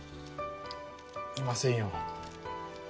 いませんよ。